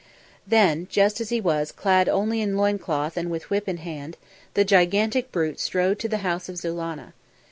Then, just as he was, clad only in loin cloth and with whip in hand, the gigantic brute strode to the House of Zulannah.